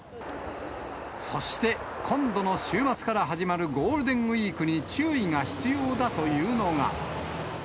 そして今度の週末から始まるゴールデンウィークに注意が必要だというのが。